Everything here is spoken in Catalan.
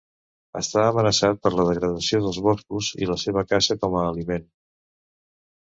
Està amenaçat per la degradació dels boscos i la seva caça com a aliment.